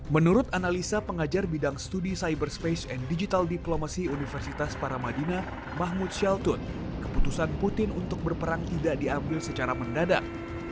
menurut analisa pengajar bidang studi cyberspace and digital diplomacy universitas paramadina mahmud shaltun keputusan putin untuk berperang tidak diambil secara mendadak